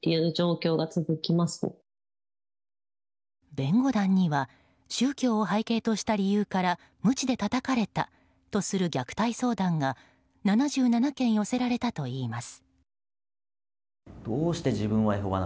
弁護団には宗教を背景とした理由からむちでたたかれたとする虐待相談が７７件寄せられたといいます。